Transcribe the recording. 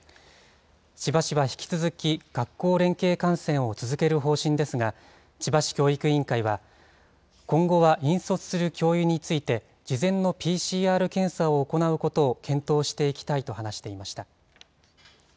千葉市は引き続き学校連携観戦を続ける方針ですが、千葉市教育委員会は、今後は引率する教諭について、事前のＰＣＲ検査を行うことを検討していきたいと話していました。